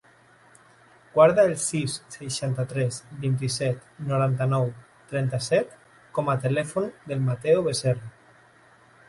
Guarda el sis, seixanta-tres, vint-i-set, noranta-nou, trenta-set com a telèfon del Matteo Becerro.